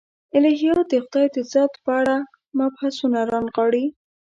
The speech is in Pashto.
الهیات د خدای د ذات په اړه مبحثونه رانغاړي.